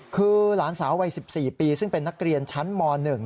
คือหลานสาววัย๑๔ปีซึ่งเป็นนักเรียนชั้นม๑